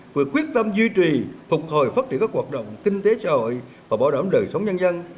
vừa quyết tâm duy trì phục hồi phát triển các hoạt động kinh tế xã hội và bảo đảm đời sống nhân dân